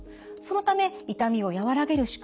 そのため痛みを和らげる